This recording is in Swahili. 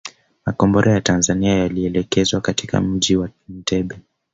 Makombora ya Tanzania yalielekezwa katika mji wa Entebbe